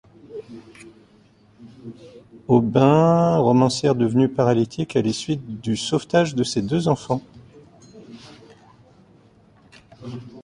Aubyn, romancière devenue paralytique à la suite du sauvetage de ses deux enfants.